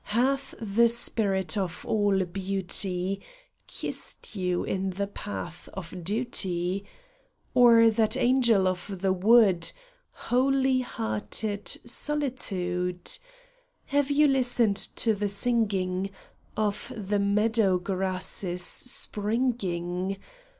Hath the Spirit of all beauty Kissed you in the path of duty ; ON THE THRESHOLD. yg Or that angel of the wood, Holy hearted Solitude ? Have you listened to the singing Of the meadow grasses springing